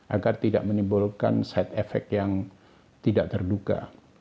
agar tidak menimbulkan side effect yang tidak terduga